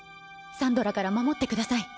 サンドラから守ってください。